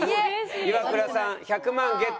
イワクラさん１００万ゲットならず。